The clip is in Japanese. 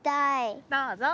どうぞ。